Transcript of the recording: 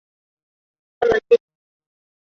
此发现使内共生学说得到了支持。